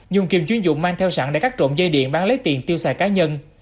dùng kiềm chuyên dụng mang theo sẵn để cắt trộm dây điện bán lấy tiền tiêu xài cá nhân